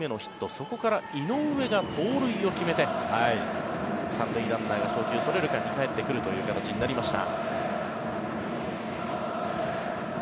そこから井上が盗塁を決めて３塁ランナーが送球それる間にかえってくるという形になりました。